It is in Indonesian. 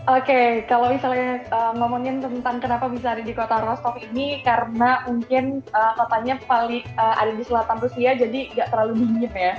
oke kalau misalnya ngomongin tentang kenapa bisa ada di kota rostov ini karena mungkin kotanya ada di selatan rusia jadi nggak terlalu dingin ya